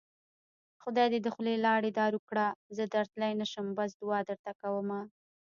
خدای دې د خولې لاړې دارو کړه زه درتلی نشم بس دوعا درته کوومه